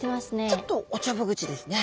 ちょっとおちょぼ口ですね。